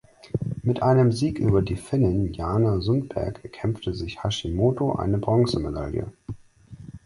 Mit einem Sieg über die Finnin Jaana Sundberg erkämpfte sich Hashimoto eine Bronzemedaille.